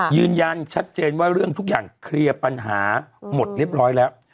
ยืนยันชัดเจนว่าเรื่องทุกอย่างเคลียร์ปัญหาหมดเรียบร้อยแล้ว